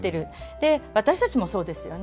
で私たちもそうですよね。